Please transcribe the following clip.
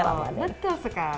betul betul sekali